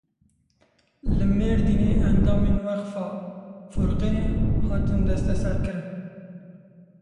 Li Mêrdînê endamên Weqfa Furqanê hatin desteserkirin.